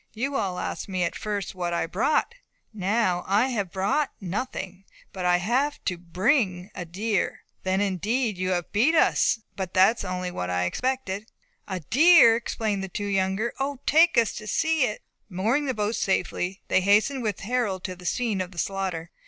"You all asked me at first what I had brought. Now, I have brought nothing; but I have to bring a deer." "Then, indeed, you have beat us," said Robert; "but that is only what I expected." "A deer!" exclaimed the two younger. "O, take us to see it!" Mooring the boat safely, they hastened with Harold to the scene of slaughter.